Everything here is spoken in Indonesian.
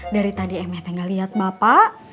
dari tadi emet nggak lihat bapak